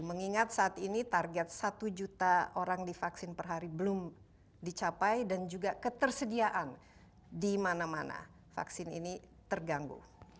mengingat saat ini target satu juta orang divaksin per hari belum dicapai dan juga ketersediaan di mana mana vaksin ini terganggu